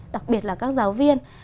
đặc biệt là các giáo viên